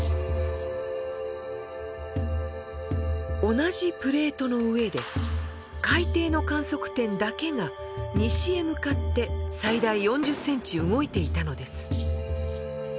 同じプレートの上で海底の観測点だけが西へ向かって最大４０センチ動いていたのです。